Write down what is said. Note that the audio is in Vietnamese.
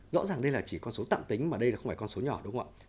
rõ ràng đây là chỉ con số tạm tính mà đây là không phải con số nhỏ đúng không ạ